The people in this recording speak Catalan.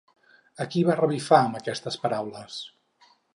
A qui va revifar amb aquestes paraules?